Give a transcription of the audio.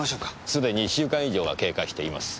すでに１週間以上が経過しています。